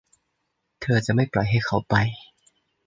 เธอจะไม่ปล่อยให้เขาไป